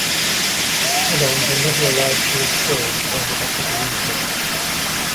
Add-ons are never allowed to be installed behind the back of the user.